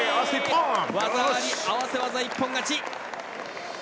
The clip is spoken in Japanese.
技あり、合わせ技一本勝ち。